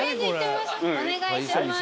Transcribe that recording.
お願いします。